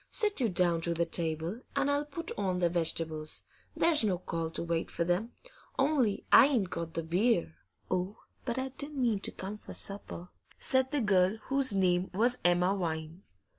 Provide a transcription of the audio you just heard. Sit you down to the table, and I'll put on the vegetables; there's no call to wait for them. Only I ain't got the beer.' 'Oh, but I didn't mean to come for supper,' said the girl, whose name was Emma Vine.